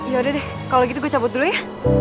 yaudah deh kalo gitu gua cabut dulu ya